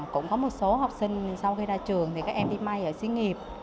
cũng có một số học sinh sau khi ra trường thì các em đi may ở sinh nghiệp